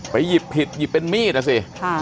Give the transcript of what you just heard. หยิบผิดหยิบเป็นมีดอ่ะสิ